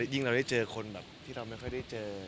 ยิ่งเราได้เจอคนที่เราไม่ค่อยได้เจอ